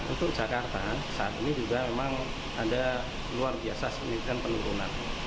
untuk jakarta saat ini juga memang ada luar biasa peningkatan penurunan